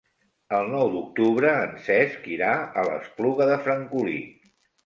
El nou d'octubre en Cesc irà a l'Espluga de Francolí.